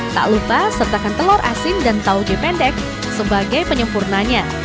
tak lupa sertakan telur asin dan tauge pendek sebagai penyempurnanya